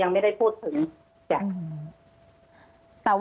อันดับที่สุดท้าย